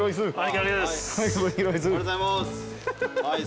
ありがとうございます。